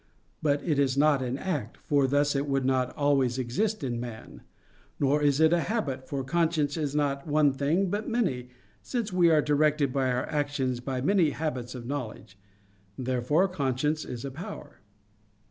But it is not an act; for thus it would not always exist in man. Nor is it a habit; for conscience is not one thing but many, since we are directed in our actions by many habits of knowledge. Therefore conscience is a power.